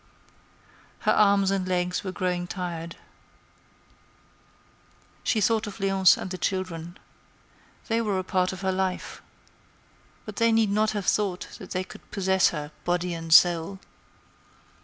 Her arms and legs were growing tired. She thought of Léonce and the children. They were a part of her life. But they need not have thought that they could possess her, body and soul.